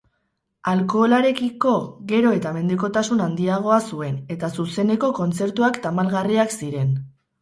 Alkoholarekiko gero eta mendekotasun handiagoa zuen, eta zuzeneko kontzertuak tamalgarriak ziren.